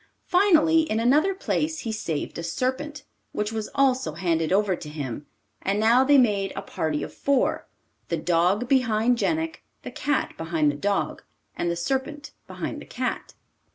Finally, in another place, he saved a serpent, which was also handed over to him and now they made a party of four the dog behind Jenik, the cat behind the dog, and the serpent behind the cat.